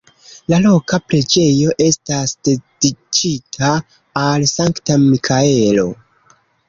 La loka preĝejo estas dediĉita al Sankta Mikaelo.